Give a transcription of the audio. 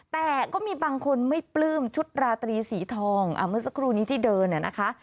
แต่ก็มีบางคนไม่ปลื้มชุดราตรีสีทองเมื่อสักครู่นี้ที่เดินเนี่ยนะคะ